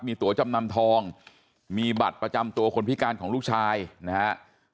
มีตัวจำนำทองมีบัตรประจำตัวคนพิการของลูกชายนะครับ